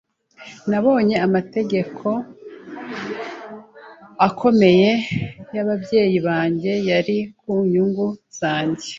Nabonye mu mutwe wanjye ko amategeko akomeye y'ababyeyi yanjye yari ku nyungu zanjye.